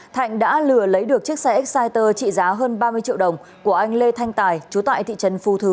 thạnh đã lừa lấy được chiếc xe exciter trị giá hơn ba mươi triệu đồng của anh lê thanh tài chú tại thị trấn phú thứ